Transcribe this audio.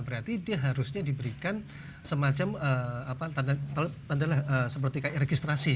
berarti dia harusnya diberikan semacam tanda seperti k i registrasi